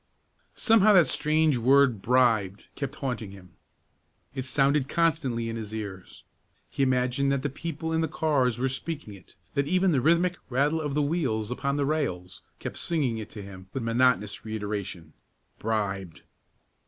Somehow that strange word "bribed" kept haunting him. It sounded constantly in his ears. He imagined that the people in the cars were speaking it; that even the rhythmic rattle of the wheels upon the rails kept singing it to him with monotonous reiteration, "Bribed!